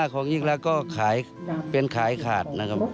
๕ของอีกแล้วก็เป็นขายขาด